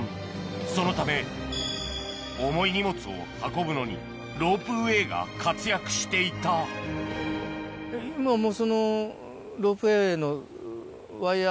そのため重い荷物を運ぶのにロープウエーが活躍していた今もうそのロープウエーの。